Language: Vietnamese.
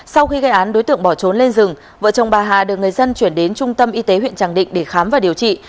sau khi gây án đối tượng bỏ trốn lên rừng vợ chồng bà hà được người dân chuyển đến trung tâm y tế huyện tràng định để khám và điều trị